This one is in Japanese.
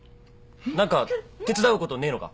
何か手伝うことねえのか？